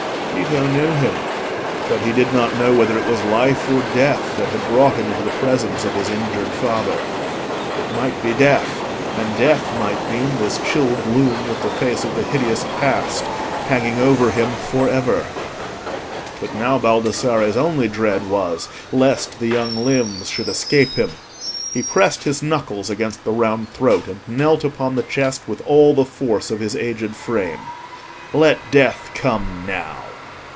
Tito knew him; but he did not know whether it was life or death that had brought him into the presence of his injured father. It might be death—and death might mean this chill gloom with the face of the hideous past hanging over him for ever. But now Baldassarre's only dread was, lest the young limbs should escape him. He pressed his knuckles against the round throat, and knelt upon the chest with all the force of his aged frame. Let death come now!